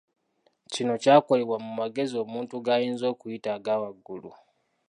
Kino kyakolebwa mu magezi omuntu gayinza okuyita aga waggulu.